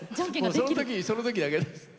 その時その時だけです。